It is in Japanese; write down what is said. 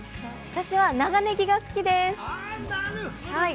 私は長ネギが好きです。